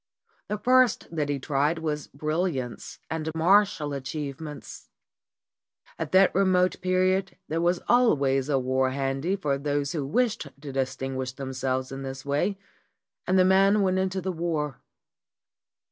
The first that he tried was brilliance and martial achievements. At that remote period there was always a war handy for those who wished to dis tinguish themselves in this way, and the man went into the war.